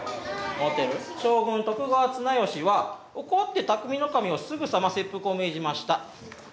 将軍徳川綱吉は怒って内匠頭をすぐさま切腹を命じました。